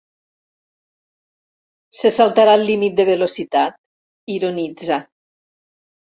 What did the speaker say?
Se saltarà el límit de velocitat —ironitza.